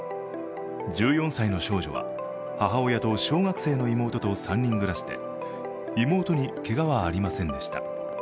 １４歳の少女は母親と小学生の妹と３人暮らしで妹にけがはありませんでした。